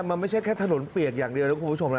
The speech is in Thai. มันไม่ใช่แค่ถนนเปียกอย่างเดียวนะคุณผู้ชมนะ